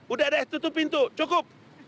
udah deh tutup pintu cukup